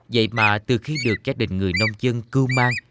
vậy mà từ khi được gia đình người nông dân cưu mang